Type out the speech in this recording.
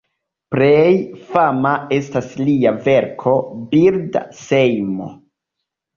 Plej fama estas lia verko "Birda sejmo".